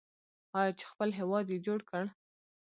آیا چې خپل هیواد یې جوړ کړ؟